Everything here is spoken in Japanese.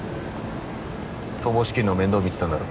逃亡資金の面倒見てたんだろ。